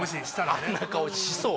「あんな顔しそう」